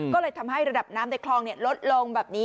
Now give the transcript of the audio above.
ก็เลยทำให้ระดับน้ำในคลองลดลงแบบนี้